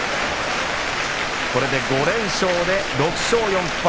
これで５連勝で６勝４敗。